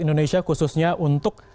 indonesia khususnya untuk